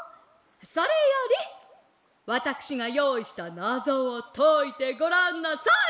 それよりわたくしがよういしたナゾをといてごらんなさいっ！